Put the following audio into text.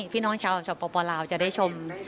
พี่น้องชาวสปลาวจะได้ชม